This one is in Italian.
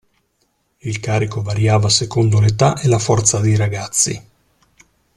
Il carico variava secondo l'età e la forza dei ragazzi.